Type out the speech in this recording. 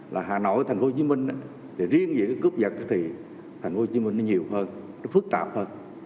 là hà nội tp hcm thì riêng về cái cướp giật thì tp hcm nó nhiều hơn nó phức tạp hơn